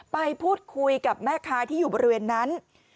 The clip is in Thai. ไปพูดคุยกับแม่ค้าที่อยู่บริเวณนั้น